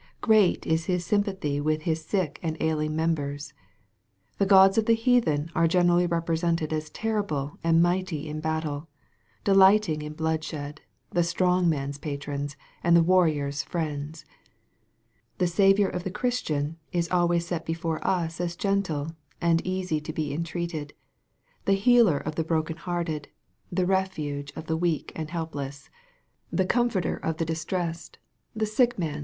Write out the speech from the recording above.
Great is his sympathy with His sick and ailing members ! The gods of the heathen are generally represented as terrible and mighty in battle, delighting in bloodshed, the strong man's patrons, and the warrior's friends. The Saviour of the Christian is always set before us as gentle, and easy to be entreated, the healer of the broken hearted, the refuge of the weals and helpless, the comforter of the distressed, the sick MAKK, vJHAP. V.